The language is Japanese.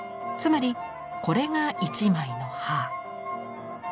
つまりこれが１枚の葉。